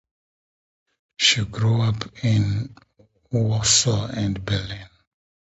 She grew up in Warsaw and Berlin.